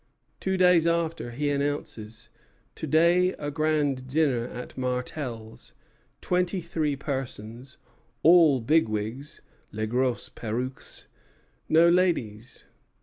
Two days after he announces: "To day a grand dinner at Martel's; twenty three persons, all big wigs (les grosses perruques); no ladies.